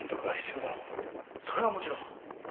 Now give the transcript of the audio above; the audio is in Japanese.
いやそれはもちろん。